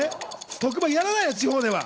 特番やらないんですよ、地方では。